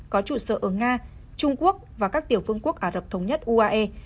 có trụ sở ở nga trung quốc và các tiểu phương quốc ả rập thống nhất uae